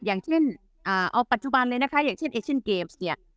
อย่างเช่นเอาปัจจุบันเลยนะคะอย่างเช่นเอเชนเกมส์เนี่ย